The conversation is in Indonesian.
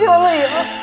ya allah ya allah